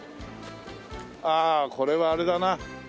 ああこれはあれだな。